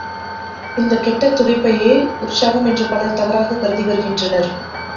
இந்தக் கெட்ட துடிப்பையே உற்சாகம் என்று பலர் தவறாகக் கருதி வருகின்றனர்.